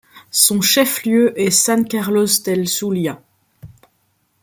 Son chef-lieu est San Carlos del Zulia.